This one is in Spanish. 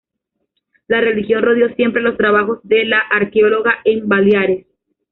La religión rodeó siempre los trabajos de la arqueóloga en Baleares.